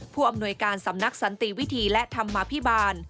ผู้อำนวยการสำนักสันติวิธีและธรรมภิบาล